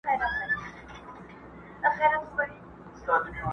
ما مي د بابا په هدیره کي ځان لیدلی وو!